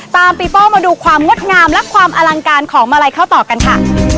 ปีโป้มาดูความงดงามและความอลังการของมาลัยเข้าต่อกันค่ะ